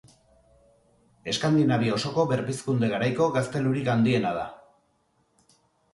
Eskandinavia osoko berpizkunde garaiko gaztelurik handiena da.